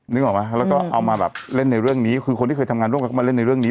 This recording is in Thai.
นึกออกไหมแล้วก็เอามาแบบเล่นในเรื่องนี้คือคนที่เคยทำงานร่วมกันมาเล่นในเรื่องนี้